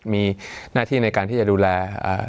มีหน้าที่ในการที่จะดูแล